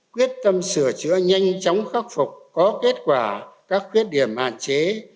quyết tâm sửa chữa nhanh chóng khắc phục có kết quả các khuyết điểm hạn chế